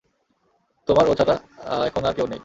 তোমার ও ছাড়া এখন আর কেউ নেই।